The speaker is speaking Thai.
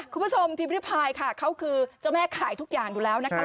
คุณผู้ชมพิมพิพายค่ะเขาคือเจ้าแม่ขายทุกอย่างอยู่แล้วนะคะ